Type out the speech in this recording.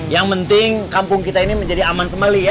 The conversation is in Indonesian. yang penting kampung kita ini menjadi aman kembali ya